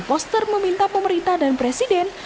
poster meminta pemerintah dan presiden